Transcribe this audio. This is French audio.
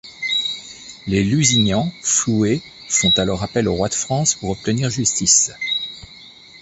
Les Lusignan, floués, font alors appel au roi de France pour obtenir justice.